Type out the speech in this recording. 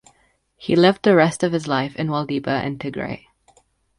He lived the rest of his life in Waldebba and Tigray.